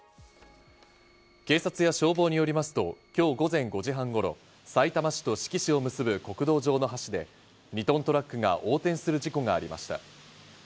警察や消防によりますと今日午前５時半頃、さいたま市と志木市を結ぶ国道上の橋で、２トントラックが横転する事故がありました。